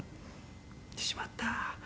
「しまった。